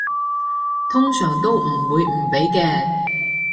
通常都唔會唔俾嘅